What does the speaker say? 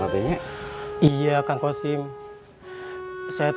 makanya kamu jangan sok minggat